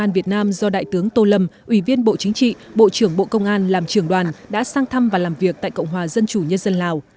đoàn việt nam do đại tướng tô lâm ủy viên bộ chính trị bộ trưởng bộ công an làm trưởng đoàn đã sang thăm và làm việc tại cộng hòa dân chủ nhân dân lào